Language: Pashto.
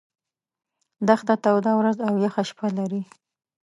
دښته توده ورځ او یخه شپه لري.